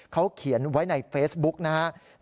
เขาเขียนไว้ในเฟซบุ๊กนะครับ